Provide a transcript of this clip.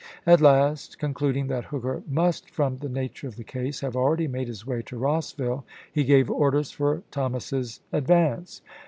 At last, concluding that Hooker must from the nature of the case have already made his way to Rossville, he gave orders for Thomas's advance.